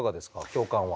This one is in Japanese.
共感は。